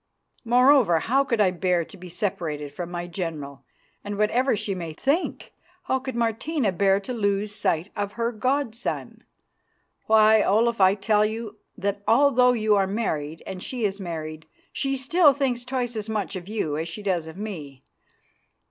Moreover, how could I bear to be separated from my general, and whatever she may think, how could Martina bear to lose sight of her god son? Why, Olaf, I tell you that, although you are married and she is married, she still thinks twice as much of you as she does of me.